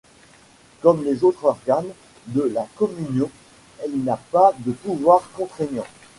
Comme les autres organes de la Communion, elle n'a pas de pouvoir contraignant.